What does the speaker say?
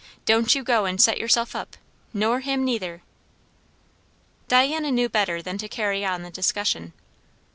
Don't you go and set yourself up; nor him neither." Diana knew better than to carry on the discussion.